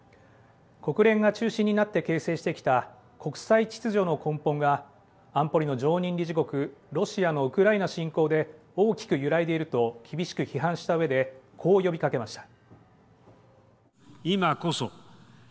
国連が中心になって形成してきた国際秩序の根本が安保理の常任理事国、ロシアのウクライナ侵攻で大きく揺らいでいると厳しく批判したうえで、こう呼びかけました。